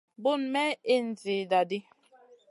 Bunu may ìhn zida di.